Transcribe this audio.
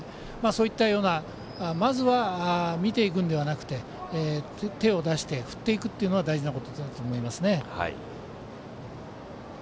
そういったような、まずは見ていくのではなくて手を出して振っていくというのは大事なことだと思いますね。